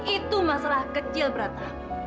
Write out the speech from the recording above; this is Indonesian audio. itu masalah kecil brata